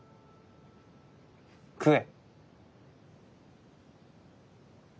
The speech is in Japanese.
食え。